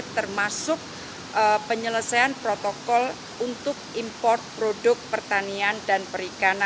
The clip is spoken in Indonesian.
termasuk penyelesaian protokol untuk import produk pertanian dan perikanan